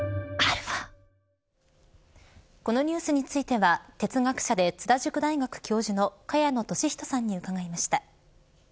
このニュースについては哲学者で津田塾大学教授の萱野稔人さんに伺いました。